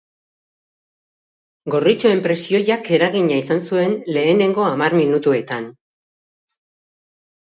Gorritxoen presioak eragina izan zuen lehenengo hamar minutuetan.